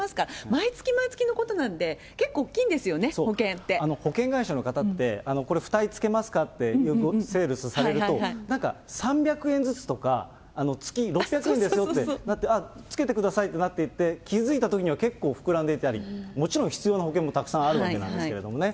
毎月毎月のことなんで、結構大き保険会社の方って、これ付帯つけますか？ってよくセールスされると、なんか３００円ずつとか、月６００円ですよってなって、あっ、つけてくださいってなっていって、気付いたときには結構膨らんでいたり、もちろん必要な保険もたくさんあるわけなんですけれどもね。